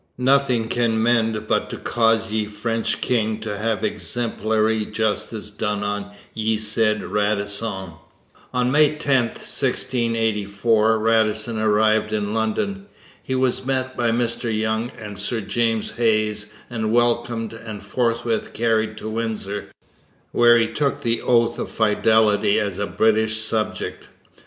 Nothing can mend but to cause ye French King to have exemplary justice done on ye said Radisson.' On May 10, 1684, Radisson arrived in London. He was met by Mr Young and Sir James Hayes and welcomed and forthwith carried to Windsor, where he took the oath of fidelity as a British subject.